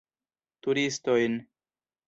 Turistojn.